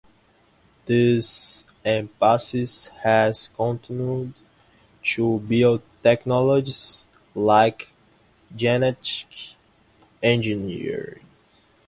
This emphasis has continued to biotechnologies like genetic engineering.